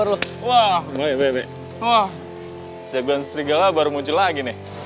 ugan serigala baru muncul lagi nih